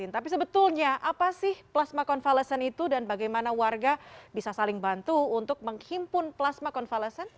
tapi sebetulnya apa sih plasma konvalesen itu dan bagaimana warga bisa saling bantu untuk menghimpun plasma konvalesen